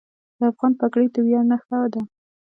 د افغان پګړۍ د ویاړ نښه ده.